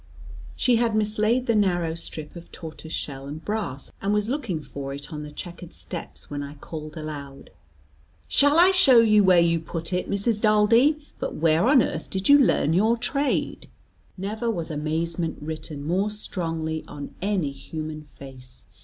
She had mislaid the narrow strip of tortoise shell and brass, and was looking for it on the chequered steps, when I called aloud: "Shall I show you where you put it, Mrs. Daldy? But where on earth did you learn your trade?" Never was amazement written more strongly on any human face.